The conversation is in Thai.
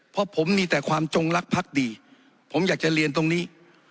เพราะผมมีแต่ความจงลักษ์ดีผมอยากจะเรียนตรงนี้